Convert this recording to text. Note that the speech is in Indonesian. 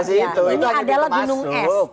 ini adalah gunung es